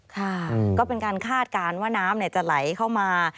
ค่ะก็เป็นการคาดการณ์ว่าน้ำจะไหลเข้ามา